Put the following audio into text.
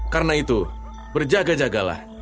karena itu berjaga jagalah